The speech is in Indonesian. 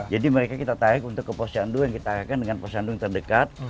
jadi mereka kita tarik untuk ke pos cendu yang kita tarikan dengan pos cendu yang terdekat